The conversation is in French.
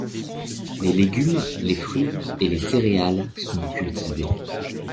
Les légumes, les fruits et les céréales sont cultivés.